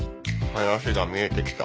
話が見えてきた。